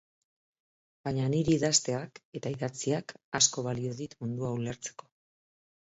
Baina niri idazteak, eta idatziak, asko balio dit mundua ulertzeko.